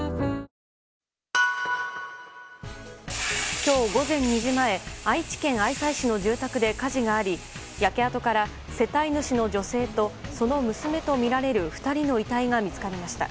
今日午前２時前愛知県愛西市の住宅で火事があり、焼け跡から世帯主の女性とその娘とみられる２人の遺体が見つかりました。